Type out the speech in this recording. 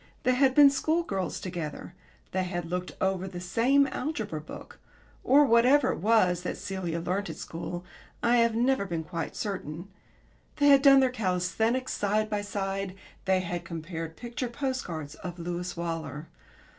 They had been schoolgirls together; they had looked over the same algebra book (or whatever it was that Celia learnt at school I have never been quite certain); they had done their calisthenics side by side; they had compared picture post cards of Lewis Waller.